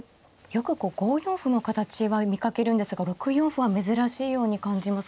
よく５四歩の形は見かけるんですが６四歩は珍しいように感じます。